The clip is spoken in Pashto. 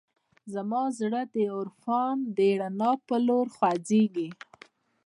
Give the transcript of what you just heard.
زما زړه د عرفان د رڼا په لور خوځېږي.